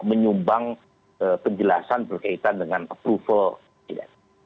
menyumbang penjelasan berkaitan dengan approval